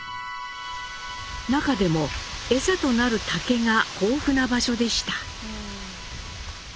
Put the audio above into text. なかでもエサとなる竹が豊富な場所でした。